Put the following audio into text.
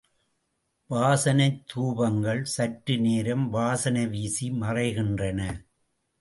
வாசனைத்துாபங்கள் சற்று நேரம் வாசனை வீசி மறைகின்றன.